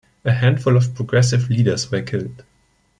A handful of Progressive leaders were killed.